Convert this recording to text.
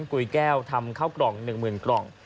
กุยแก้วทำข้าวกล่องหนึ่งหมื่นกล่อง